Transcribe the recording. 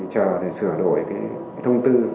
chờ để sửa đổi thông tư